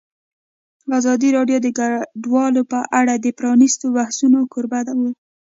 ازادي راډیو د کډوال په اړه د پرانیستو بحثونو کوربه وه.